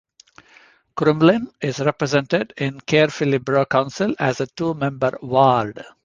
Crumlin is represented in Caerphilly Borough Council as a two-member ward.